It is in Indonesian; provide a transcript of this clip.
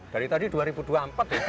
dari tadi dua ribu dua puluh empat ya